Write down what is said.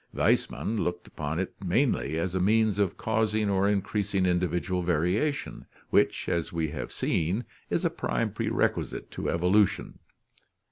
Weis mann looked upon it mainly as a means of causing or increasing individual variation which, as we have seen, is a prime prerequisite to evolution.